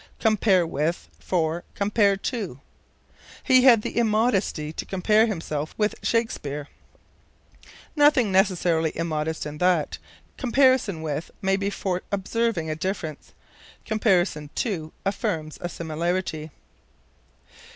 Compare with for Compare to. "He had the immodesty to compare himself with Shakespeare." Nothing necessarily immodest in that. Comparison with may be for observing a difference; comparison to affirms a similarity.